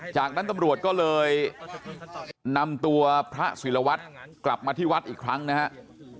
จากนั้นตำรวจก็เลยนำตัวพระศิลวัตรกลับมาที่วัดอีกครั้งนะครับ